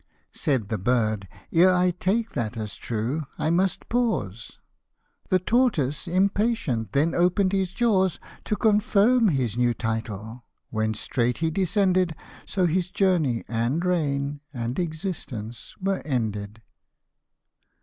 Said the bird, "Ere I take that as true, I must pause;" The tortoise impatient, then open'd his jaws 69 To confirm his new title, when straight he descended ! So his journey, and reign, and existence were ended!